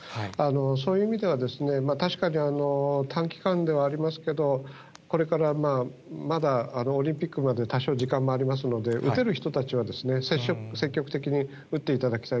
そういう意味では、確かに短期間ではありますけど、これから、まだオリンピックまで多少時間もありますので、打てる人たちは接種を積極的に打っていただきたい。